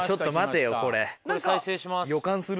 これ再生します。